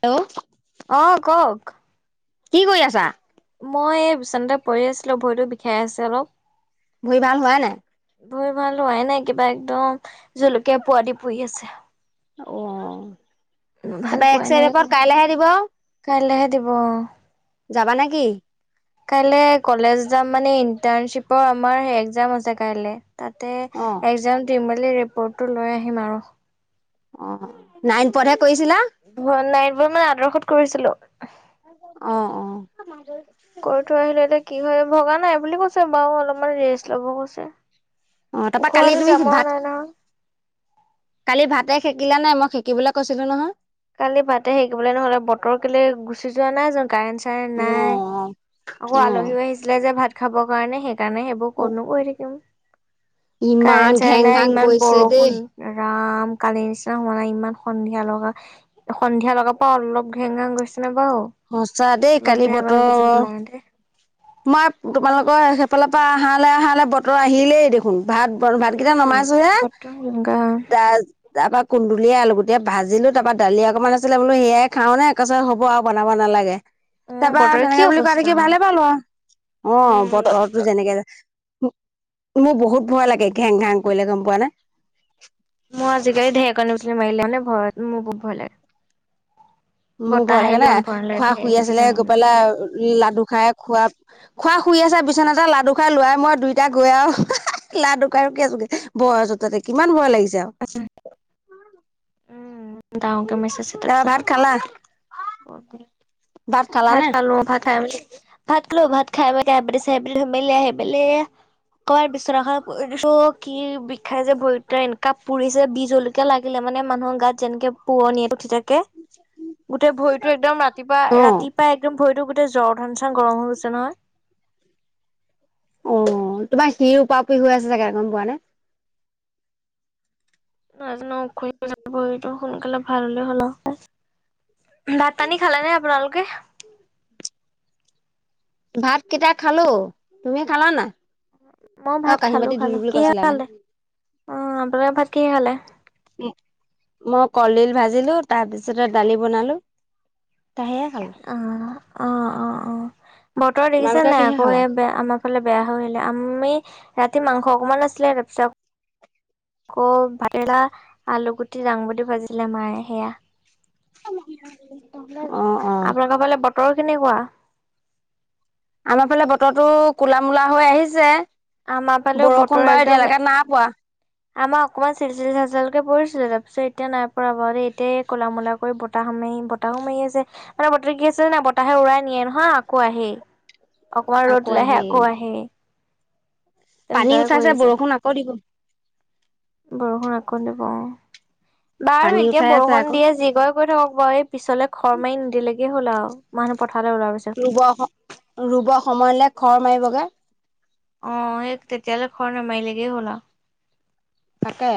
Hello. অহ কওঁক। কি কৰি আছা। মই এই বিচনাতে পঢ়ি আছিলোঁ ভৰিতো বিষাই আছে অলপ। ভৰি ভাল হোৱাই নাই? ভৰি ভাল হোৱাই নাই কিবা একদম জলকীয়া পুৰা দি পুৰি আছে। অ' ভাল তাৰপৰা পোৱাই এক্সৰে ৰিপৰ্ট কাইলৈহে দিব। দিৱ। যাবা নেকি? কাইলৈ কলেজ যাম মানে ইণ্টাৰ্ণচিপৰ আমাৰ এক্সাম আছে কাইলৈ। তাতে অ এক্সাম দিম বুলি ৰিপৰ্টটো লৈ আহিম আৰু। অ' নাইন পথে কৈছিলা। নাইবোৰ মানে আদৰ্শত কৰিছিলো। অ' অ'। কৰি থৈ আহিলে এতিয়া কি হয় ভগা নাই বুলি কৈছে বাৰু অলপমান ৰেষ্ট ল'ব কৈছে। অ তাৰপৰা কালি ওখোৱাটো তুমি জমা ভাত নাই নহ। কালি ভাতে সেকিলা নে নাই মই সেকিবলৈ কৈছিলো নহয়। কালি ভাতে সেকিবলৈ নহ'লে বতৰ কেলে গুচি যোৱা নাই কাৰেন। উ ও। আকৌ আলহীও আহিছিলে যে ভাত খাবৰ কাৰণে সেইকাৰণে সেইবোৰ অ [unintelligible] কৈ থাকিম। ইমান কাৰেণ্ট ঘেং চাৰেন্ত ঘাং নাই ইমান কৰিছে দেই বৰষুণ ৰাম। কালিৰ নিচিনা হোৱা ইমান সন্ধিয়া লগা সন্ধিয় লগাৰ পৰা অলপ ঘেং ঘেং গৈছে। আমি বাৰু সঁচা দেই লগ দুই বুজিব [unintelligible] নাই। মা তোমালোকৰ সেইফালৰ পৰা আহালৈ আহালৈ বতৰ আহিলেই দেখোন। ভাত বন ভাতকেইটা উম নমাইছো হে বতৰ গা দাল দালভাত। কুন্দুলুলিয়ে আলুগুতিয়ে ভাজিলোঁ তাৰপৰা দালি অকণমান আছিলে বোলো সেয়াই খাওঁনে একছত হ'ব আৰু বনাব নালাগে। অ তাৰপাৰা বতৰ কি তেনেকে বুলি কোৱা অৱস্থা দেখি আও ভালে পালো। অ' উম বতৰটো যেনেকে। মোৰ বহুত ভয় লাগে ঘেং ঘাং কৰিলে গম পোৱা নে। মই আজিকালি ঢেৰেকণি বিজুলী মাৰিলে মানে মোৰ ঘৰত বহুত ভয় লগে। মোৰ ভয় লাগিলে খুৰা ধেৰ শুই বিজুলী আছিলে গৈ মাৰিলে পেলাই লাডু খাই খোৱা। খুৰা শুই আছ বিচনাতে লাডু খাই ল'ৰাই মই দুইটা গৈ আৰু লাডু খাই ৰখি আছোঁ গে। ঘৰ ওচৰতে দেখি কিমান ভয় লাগিছে আওঁ। দাঙৰকে মেছেজ তাৰ ভাত খালা [unintelligible] খালা ভাত নে খালো ভাত খাই মেলি ভাত ভাত খাই [unintelligible] অই বিচনাখনত পৰি দিছোঁ, কি বিষাইছে ভৰি দুটা এনেকা পুৰিছে বিহ জলকীয়া লাগিলে মানে মানুহৰ গাত যেনেকে পোৱনীয়ে উঠি থাকে। গোটেই ভৰিটো একদম ৰাতিপুৱা অ - ৰাতিপুৱাই একদম ভৰিতো গোটেই জ্বৰ ধান চান গৰম হৈ গৈছে নহয়। অ' তোমাৰ শিৰ ওপাওপই হৈ আছে চাগে গম পোৱা নে? [unintelligible] সোনকালে ভাল হলে হ'ল ভাত পানি খালা নে আপোনালোকে [inaudible] ভাত কিটা খালোঁ। তুমি খালা নাই? মই অ ভাত কাঁহী খালোঁ, বাতি ধুলো খালোঁ। বুলি কিহে কৈছিলা খালে? নহয় অ' আপোনালোকে ভাত কিহে খালে? মই কলডিল ভাজিলো, তাৰপিছতে দালি বনালো। সেয়ে খালো অ' অ' অ' অ' বতৰ দেখিছে তোমালোকে নাই কিহে আকৌ খালা এই আমাক ফালে বেয়া হৈ আহিলে আমি ৰাতি মাংস অকমান আছিলে তাপিছত আকৌ ভতেলা আলুগুটি দাংগুটি ভাজিলে মায়ে সেয়া [inaudible] অঁ অঁ। ৰ, কেনেকুৱা? আমাৰ ফালে বতৰটো কলা মলা হৈ আহিছে। আমাৰ ফালেও বতৰ বৰষুণ বাৰ একদম এতিয়ালৈকে নাই পোৱা। আমাৰ অকনমান চিলি - চিলি চালচালকে পৰিছিলে তাৰপিছত এয়া নাই পৰা ব এতিয়া কল মোলা কৰি বতাহ খামেই। বতাহো মাৰি আছে মানে বতাহ কি আছে যে ন বতাহে উৰাই নিয়ে নহয় আকৌ আহি অকমান ৰ'দ আকৌ আহি দিলেহে আকৌ আহি পানী উঠাই যে বৰষুণ আকৌ দিব বৰষুণ আকৌ দিব অ'। বাৰু পানী এতিয়া উঠাই আছে বৰষুণ আকৌ দিয়ে যি কৰে কৰি থাকক বয়েপ পিছলে খৰ মাৰি নিদিলেগে হ'ল আৰু মানুহ প ৰুব আক, ৰুব সময়লৈ খৰ মাৰিবগে। অ' হেই তেতিয়ালৈ খৰ নামাইলেগে হ'ল আও। তাকে।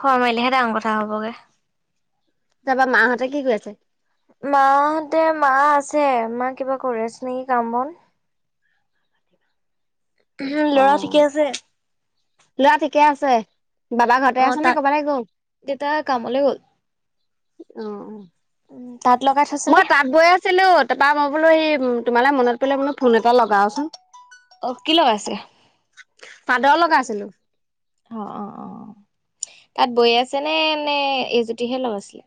খোৱা মাৰিলেহে ডাঙৰ কথা হ'বগে। তাৰপৰা মাহঁতে কি কৰি আছে? মাহতে, মা আছে মা কিবা কৰি আছে নেকি কাম বন। অ ল'ৰা ঠিকে আছে? ল'ৰা ঠিকে আছে বাবা ঘৰতে অ' আছ নে তাত কৰবালৈ গ'ল দেউতা কামলৈ গ'ল। অহ। উম, তাঁত লগাই থৈছে মই নে? তাঁত বৈ আছিলোঁ, তাপা মই বোলো হেই তোমালে মনত পৰিলে বোলো ফোন এটা লগাওচোন। অ' কি লগাইছে। চাদৰ লগাইছিলো। অ, অ, অ' তাত বৈ আছে নে নে এই জোতিহে লগাইছে।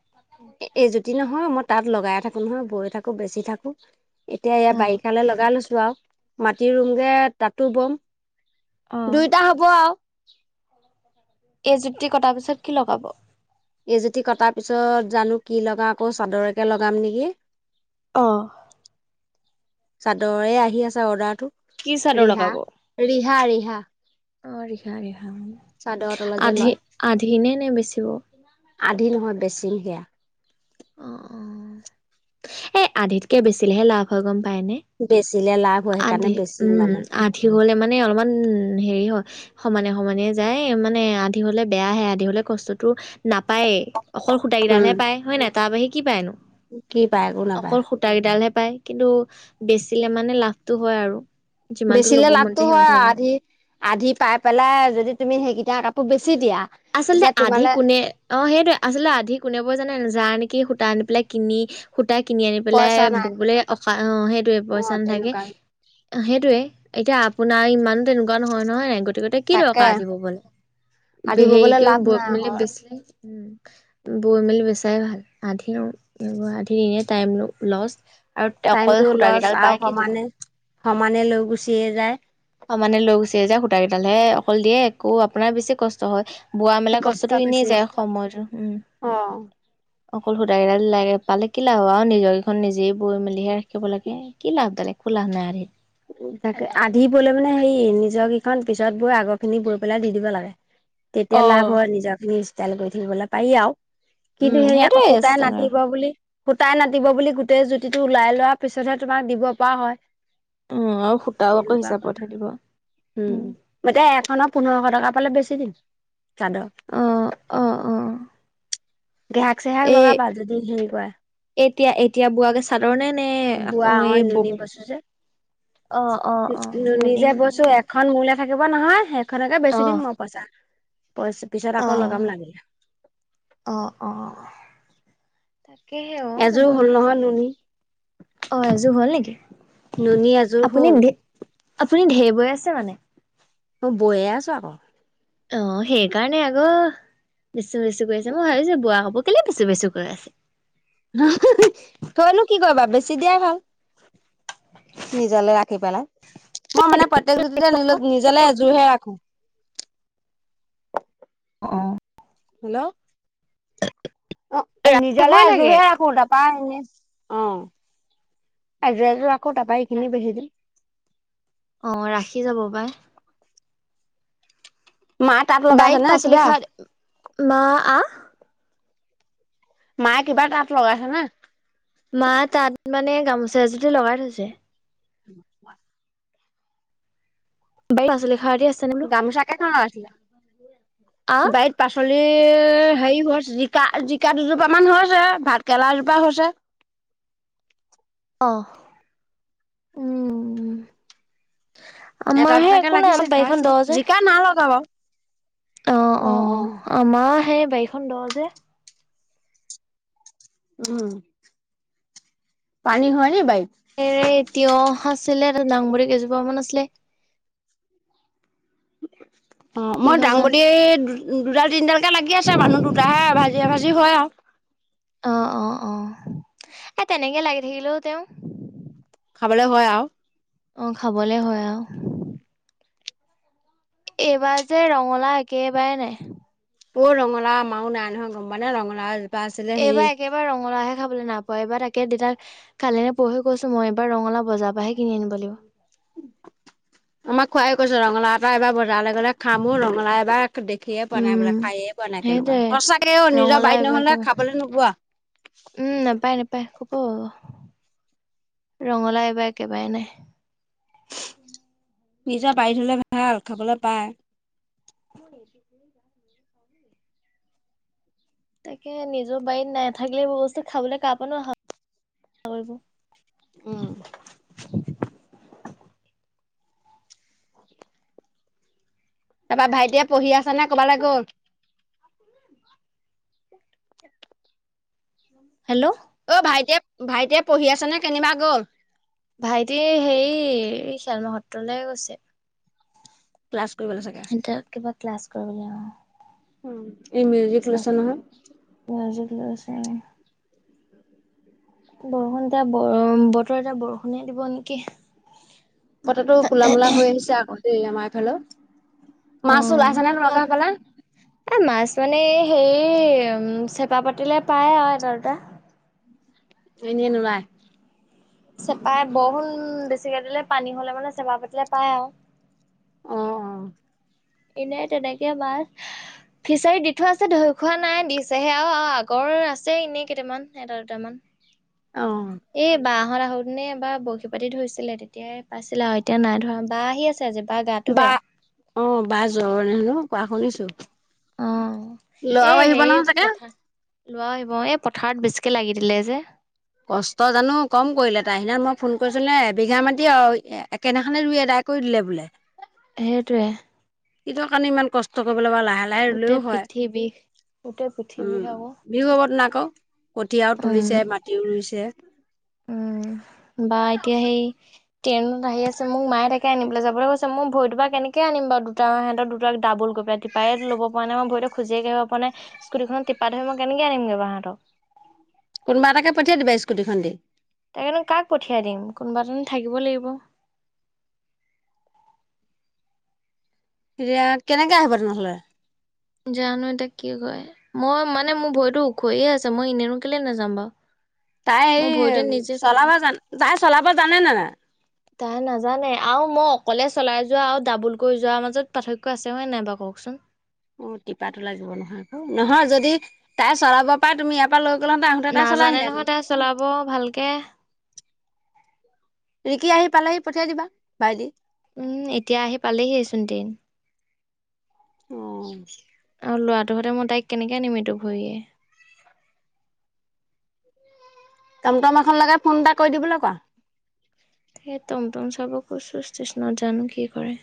এই জুতি নহয়। মই তাত লগাই থাকো নহয়, বৈ থাকো বেচি থাকো। এতিয়া এয়া বাৰিষালৈ লগাই লৈছো আৰু মাটি ৰুমগে তাতো বম। দুইটা হব আৰু এই জুতি কটাৰ পিছত কি লগাব। এইজুতি কটাৰ পিছত জানো কি লগাও আকৌ চাদৰকে লগাম নেকি। অ'। চাদৰে আহি আছে। অৰ্ডাৰটো কি চাদৰ ৰিহা, লগাব? ৰিহা, ৰিহা। অ' ৰিহা, ৰিহা। চাদৰৰ তলত যে আধি, লয় আধিনে নে বেচিব। দিম দিয়া। অ, অ' এ আধিতকে বেচিলেহে লাভ হয়। পায়নে? বেচিলে লাভ হয় আধি সেইকাৰণে বেছিম উম মানে। আধি হ'লে মানে অলপমান [inaudible] হেৰি হয় সমানে সমানেই যায় মানে আধি হলে বেয়া আহে আধি হলে কষ্টতো নাপায়ে। অকল সুতা গিডালহে উম পায় হয় নাই তাৰ বাহিৰে কি পাইনো। কি পায় একো নাপায়। পায় কিন্তু বেচিলে মানে লাভটো হয় আৰু। যিমানটো বেছিলে ল'ব মন লাভটো যায় হয় সিমানটো আৰু ল'ব। আধি, আধি পাই পেলাই যদি তুমি সেইকেইটা কাপ আচলতে আধি কোনে অ' সেইটোৱে আচলতে আধি কোনে বয় জানে যাৰ নেকি সি সুতা আনি পেলাই কিনি সুতাই। কিনি আনি পেলাই পইচা নাই ববলে অশা অ' সেইটোয়ে অ পইচা নাথাকে। তেনেকুৱা সেইটোয়ে এতিয়া আপোনাৰ ইমান তেনেকুৱা নহয় নহয় গতিকতে কি দৰকাৰ তাকে আজি দিব ববলে। আধি ববলে হেৰিকেও লাভ বৈ নাই পেলাই হয় বেচি উম, বৈ মেলি বেচাই ভাল। আধি আধি এনে টাইম লষ্ট। টাইমটোও লচ আৰু সমানে - সমানে লৈ গুচিয়ে যায়। সমানে লৈ গুচিয়ে যায়। সূতা কেইডাল হে অকল দিয়ে একো আপোনাৰ বেছি কষ্ট হয়। বোৱা-মেলা কষ্ট কষ্টটো এনেই বেছি যায় সময়টো, উম। অ অকল সুতা কেইডাল লাগে পালে কি লাভ হ'ব? আৰু নিজৰকেইখন নিজেই বৈ মেলিহে ৰাখিব লাগে। কি লাভ ভাল একো লাভ নাই। তাকে আধি বোলে মানে হেৰি নিজৰকেইখন পিছত বৈ আগৰখিনি বৈ পেলাই দি দিব লাগে। তেতিয়া অ লাভ হয় নিজৰখিনি ষ্টাইল কৰি থাকিবলৈ পাৰি আৰু। কিন্তু উম হেৰী আকৌ সেইটোৱে সুতাই ষ্টেণ্ডাৰ্ড। নাতিব বুলি। সুতাই নাটিব বুলি গোটেই জুতিটো ওলাই লোৱাৰ পিছতহে তোমাক দিব পৰা হয়। উম আৰু সূতাও আকৌ হিচাপতহে দিব উম, উম। এতিয়া এখনৰ পোন্ধৰশ টকা পালে বেচি দিম, চাদৰ। অ অ অ গেহাক চেহাক লগাবা, যদি হেৰি কৰা। তিয়া- এতিয়া বোৱাকে চাদৰ নে- নে আকৌ বোৱা অ' এই নুনী বব বৈছো যে। অ' - অ' - অ' নুনী নুনি যে - নুনি বৈছো - নুনি এখন মোলে থাকিব নহয়, সেইখনকে বেচি দিম মই পইচা। পইছ- পিছত অ আকৌ লগাম লাগিলে। অ অ [inaudible] এযোৰ সেইবোৰ হ'ল নহয় নুনী। অ' এযোৰ হ'ল নেকি? নুনী এযোৰ আপুনি হ'ল। ধে আপুনি ঢেই বৈ আছে মানে। অ' বৈয়ে আছোঁ আকৌ। অ' সেইকাৰণে আকৌ, বেচো - বেচো কৰি আছে। মই ভাবিছোঁ বোৱা হব কেলে বেচো - বেচো কৈ আছে। হঁ - হঁ - হঁ, থৈনো কি কৰিবা, বেছি দিয়াই ভাল। নিজলে ৰাখি পেলাই। মই মানে প্ৰত্যেক যুতিতে নিলজ- নিজলে এযোৰহে ৰাখোঁ। অ'। হেল্ল অ' নিজলে ৰাখিবই লাগে। এযোৰহে ৰাখোঁ তাৰপৰা এনে অ' এযোৰ এযোৰ ৰাখোঁ তাৰপৰা এইখিনি বেচি দিও। অ' ৰাখি যাব পাই। মায়ে তাঁত লগাইছে বাৰীত নে পাচলি কিবা সাৰ মা আ মায়ে কিবা তাত লগাইছে নে? মা তাত মানে গামোচা এযুতি লগাই থৈছে। [unintelligible] বাৰীত পাচলি খাৰ দি আছে নে বোলো গামোচা কেইখন লগাইছিলে? আহ বাৰীত পাচলি এ হেৰি হৈছে জিকা-জিকা দুজোপা মান হৈছে, ভাত কেৰেলা এজোপা হৈছে। [inaudible] অ, উম। এটা আমাৰহে দুটাকে একো নাই লাগিছে অলপ বাৰিখন খাইছো ল' যে। জিকা নাই লগা বাৰু অ', - অ' আমাৰ সেই বাৰীখন দ' যে। উম, পানী হয় নেকি বাৰিত? হেৰি তিয়হ আছিলে, দাংবদি কেইজোপা মান আছিলে। অ, কি মই হয় জানো দাংবদি দুডাল, তিনডালকে লাগি আছে মানুহ দুটাহে এ ভাজি জি ভাজি হয় আৰু। অ', - অ', -অ, ' এ তেনেকে লাগি থাকিলেও তেওঁ। খাবলৈ হয় আৰু। অহ খাবলে হয় আও এইবাৰ যে ৰঙালাও একেবাৰে নাই। অ' ৰঙলাও আমাৰো নাই নহয় গমপোৱা নে ৰঙালাও এজো এইবাৰ একেবাৰে ৰঙালাওহে খাবলে নাই পোৱা এইবাৰ তাক তাকে দেতাক কালি নে পৰসী কৈছো মই এবাৰ ৰঙালাও বজাৰ পৰাহে কিনি আনিব লাগিব। আমাক খুৰাই কৈছে ৰঙালাও এটা এবাৰ বজ বজাৰলে গলে খামো ৰঙলাও এবাক দেখিয়ে পোৱা নাই বোলে উম খায়ে পোৱা নাই কেনেকুৱা সেইটোৱে সঁচাকে অ' নিজৰ ৰঙালাও বাৰীত এইবাৰ নহ'লে একেবাৰে খাবলৈ নোপোৱা। উম, নাপায় নাপায়। অ' ৰঙালাও এইবাৰ একেবাৰে নাই। নিজৰ বাৰীত হ'লে ভাল খাবলৈ পায়। [unintelligible] তাকে নিজৰ বাৰীত নাথাকিলে এইবোৰ বস্তু কাৰ পৰানো আশা কৰিব। উম। তাৰপা ভাইটিয়ে পঢ়ি আছে নে ক'বালে গ'ল? [inaudible] হেল্ল' অ, ভাইটিয়ে ভাইটিয়ে পঢ়ি আছে, নে কেনিবা গ'ল। ভাইটি হেৰি খেলমূহুত লৈ গৈছে। ক্লাছ কৰিবলৈ চাগে সিঁহতে কিবা ক্লাছ কৰে বোলে অ'। উম, এই মিউজিক ক্লাছ লৈছে নহয়। কৰিব মিউজিক লৈছে। বৰষুণ এটা বৰ, বতৰ এতিয়া বৰষুণে দিব নেকি? বতৰটো কোলা মোলা হৈ আহিছে আকৌ দেই আমাৰ এইফালো অ মাছ ওলাইছেনে তোমাৰলোকৰ আমাৰ সেইফালে? এ মাছ মানে হেৰি, উম, চেপা পাতিলে পায় আৰু এটা দুটা। এনেই নোলায়। চেপাই বৰষুণ বেছিকে দিলে পানী হ'লে মানে চেপা পাতিলে পায় আও। অঁ অ। এনেই তেনেকে মাছ ফিচাৰীত দি থোৱা আছে ধৰি খোৱা নাই, দিছেহে আও আৰু আগৰ আছে এনেই কেইটামান এটা দুটামান। অ' অ' এ বা হঁত আহ আহোঁতেনে এবাৰ বৰশী পাতি ধৰিছিলে তেতিয়াই পাইছিলে আও এতিয়া নাই ধৰা বা আহি আছে আজি বাৰ গাটো বা বেয়া। অ' বা জ্বৰ হেনো? কোৱা শুনিছো। অ, এ ল'ৰাও আহিব হেৰি নহয় চাগে পথা লোৱা আহিব এই পথাৰত বেছিকে লাগি দিলে যে। কষ্ট জানো কম কৰিলে তাই সিদিনা, মই ফোন কৰিছিলো নে। এবিঘা মাটি একেদিনাখনে ৰুই এডায় কৰি দিলে বোলে। সেইটোৱে। কিটোৰ কাৰণে ইমান কষ্ট কৰি লাহে-লাহে ৰুলেও গোটেই হয় পিঠি বিষ। গোটেই পিঠি বিষ উম আকৌ। বিহু হত ন কক কঠিয়া উম, তুলিছে মা যে উম, বা এতিয়া সেই ট্ৰেইনত আহি আছে। মোক মায়ে তাকে আনিবলৈ যাবলৈ কৈছে। মই ভৰিটো পৰা কেনেকে আনিম বাৰ দুটা সিহঁত দুট ডাবুল [unintelligible] টিপাই লব পৰা নাই। মই ভৰিটো খোজে কাঢ়িব পৰা নাই। স্কুটিখন টিপা ধৰি মই কেনেকে আনিম বাও মই সিহঁতক কোনোবা এটাকে পঠিয়াই দিবা স্কুটিখন দি। তাকেটোন কাক পঠিয়াই দিম? কোনোবাতোন থাকিব লাগিব। [inaudible] এতিয়া কেনেকে আহিবা তেনেহলে? জানো এতিয়া কি হয়! মই মানে মোৰ ভৰিটো ওখহি আছে। মই এনেনো কেলে নাযাম বাও তাই এই চলাব জান- তাই চলাব জানে নে নাই? তাই নাজানে আৰু মই অকলে চলাই যোৱা আৰু ডাবুল কৰি যোৱাৰ মাজত পাৰ্থক্য আছে হয়ে নাই ব ক কওকচোন অ', টিপাতো ওলাই নহয় যদি তাই চলাব পাৰে তুমি ইয়াৰ পৰা লৈ গ'লাহেঁতেন আহোঁতে তাই চলাই নাজানে নহয় আহিলেহেঁতেন তাই চলাব ভালকে ৰিকি আহি পালেহি পঠিয়াই দিবা ভাইটি উম, এতিয়া আহি পালেহিচোন ট্ৰেইন অ', লৰাটোহতে সতে মই তাইক কেনেকে নিম এইটো ভয়ে টমটম এখন লগাই ফোন এটা কৰি দিবলৈ কোৱা। স টমটম চাব কৈছো ষ্টেচনত জানো কি কৰে।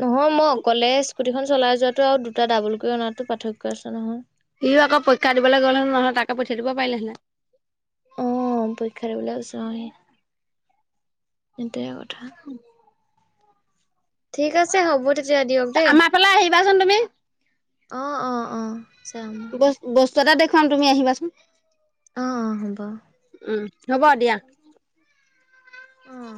নহয় মই অকলে স্কুটিখন চলাই যোৱাতটো আৰু দুটা ডাবুল কৰি অনাতো পাৰ্থক্ আছে নহয়। সিও আকৌ পৰীক্ষা দিবলৈ গ'লে হে নহলে তাকে পঠিয়াই দিব পাৰিলেহেনে। অ পৰীক্ষা দিবলৈ কৈছো অ ইয়াত উম, ঠিক আছে, হ'ব তেতিয়া দিয়ক আমাৰ ফালে আহিবাচোন তুমি। দেই-অ-অ-অ ব বস্তু এটা দেখুৱাম তুমি আহিবাচোন অ অ হ'ব উম হ'ব দিয়া। অ